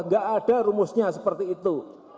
nggak ada rumusnya seperti itu